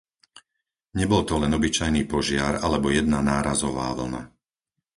Nebol to len obyčajný požiar alebo jedna nárazová vlna.